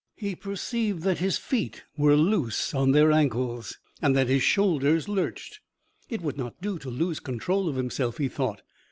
He perceived that his feet were loose on their ankles and that his shoulders lurched. It would not do to lose control of himself, he thought.